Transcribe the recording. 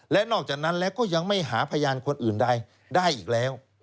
และนอกจากนั้นแล้วก็ยังไม่หาพยานคนอื่นใดได้อีกแล้ว